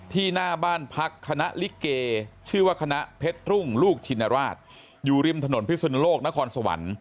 หน้าบ้านพักคณะลิเกชื่อว่าคณะเพชรรุ่งลูกชินราชอยู่ริมถนนพิศนุโลกนครสวรรค์